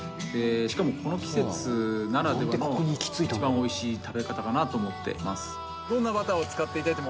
しかもこの季節ならではの一番おいしい食べ方かなと思ってます。